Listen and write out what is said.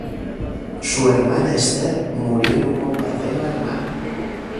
Su hermana Esther murió en un bombardeo alemán.